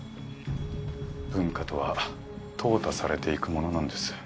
文化とは淘汰されていくものなんです。